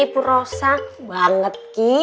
gua tabuk gua ki